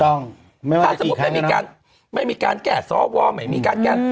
ถ้าสมมติไม่มีการแก้สวหวไม่มีการแก้